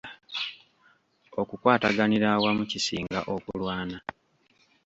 Okukwataganira awamu kisinga okulwana.